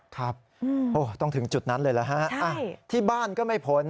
ครับต้องถึงจุดนั้นเลยเหรอฮะที่บ้านก็ไม่พ้น